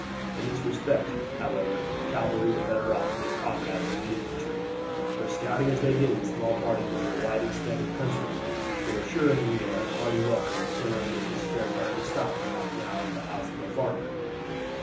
In this respect, however, the cavalry were better off than their comrades of the infantry, for scouting as they did in small parties over a wide extent of country, they were sure of a meal and a hearty welcome whenever they could spare time to stop for half an hour at the house of a farmer.